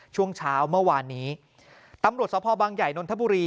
ช่วงเช้าเมื่อวานนี้ตำรวจสภบางใหญ่นนทบุรี